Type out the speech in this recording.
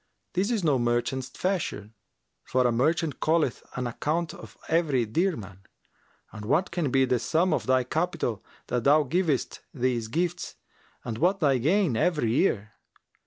This is no merchant's fashion, for a merchant calleth an account for every dirham, and what can be the sum of thy capital that thou givest these gifts and what thy gain every year?